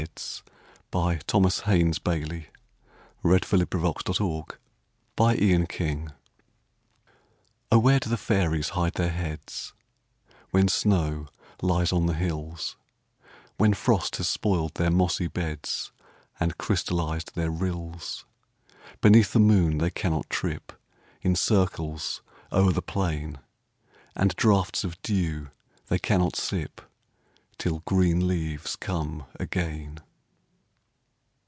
JOSEPH RODMAN DRAKE. 56 POEMS OF FANCY. OH! WHERE DO FAIRIES HIDE THEIR HEADS ? Oh ! where do fairies hide their heads, When snow lies on the hills, When frost has spoiled their mossy beds, And crystallized their rills? Beneath the moon they cannot trip In circles o'er the plain ; And draughts of dew they cannot sip, Till green leaves come again.